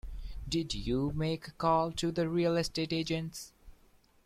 Did you make a call to the real estate agents?